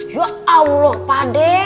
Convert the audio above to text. ya allah pak de